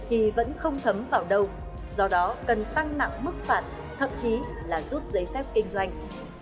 thì vẫn không thấm vào đâu do đó cần tăng nặng mức phạt thậm chí là rút giấy phép kinh doanh